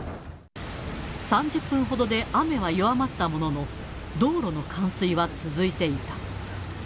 ３０分ほどで雨は弱まったものの、道路の冠水は続いていた。